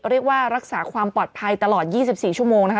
รักษาความปลอดภัยตลอด๒๔ชั่วโมงนะคะ